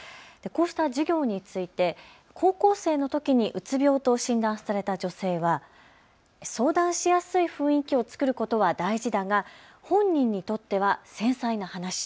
こうした授業について高校生のときにうつ病と診断された女性は相談しやすい雰囲気を作ることは大事だが本人にとっては繊細な話。